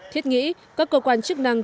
thiết nghĩ các cơ quan chức năng